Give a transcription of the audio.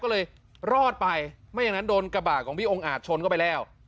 ก็เลยรอดไปไม่อย่างนั้นโดนกระบะของพี่องค์อาจชนเข้าไปแล้ว